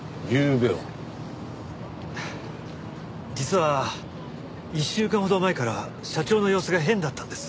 実は１週間ほど前から社長の様子が変だったんです。